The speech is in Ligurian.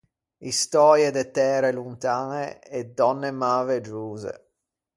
Istöie de tære lontañe e dònne mäveggiose.